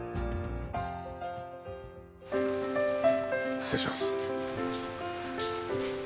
失礼します。